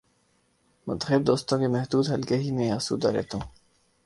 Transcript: منتخب دوستوں کے محدود حلقے ہی میں آسودہ رہتا ہوں۔